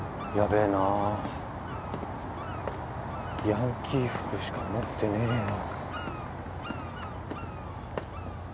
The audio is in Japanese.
ヤンキー服しか持ってねえよ。